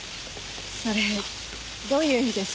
それどういう意味です？